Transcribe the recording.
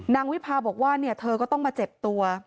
วิพาบอกว่าเธอก็ต้องมาเจ็บตัว